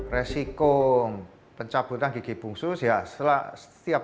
resiko pencabutan gigi bungsu setiap tindakan